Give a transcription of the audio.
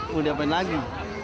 mau diapain lagi